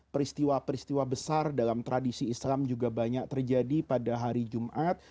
peristiwa peristiwa besar dalam tradisi islam juga banyak terjadi pada hari jumat